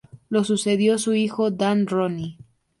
Lo sucedió su hijo Dan Rooney.